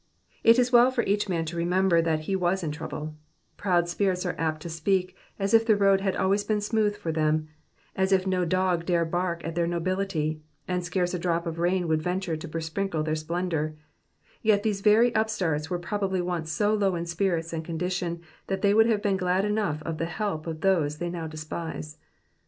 It is well for each man to remember that he was in trouble : proud spirits are apt to speak as if the road had always been smooth for them, as if no dog dare bark at their nobility, and scarce a drop of rain would venture to besprinkle their splendour ; yet these very up starts were probably once so low in spirits and condition that they would have been glad enough of the help of those they now despise.